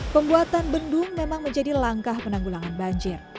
pembuatan bendung memang menjadi langkah penanggulangan banjir